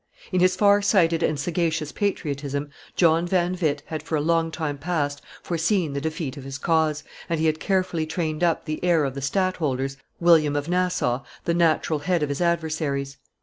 In his far sighted and sagacious patriotism, John van Witt had for a long time past foreseen the defeat of his cause, and he had carefully trained up the heir of the stadtholders, William of Nassau, the natural head of his adversaries.